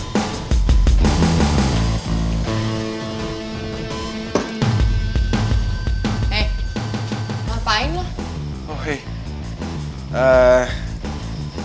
sama ray dan roger